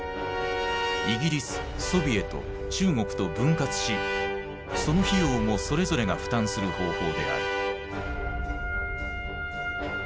イギリスソビエト中国と分割しその費用もそれぞれが負担する方法である。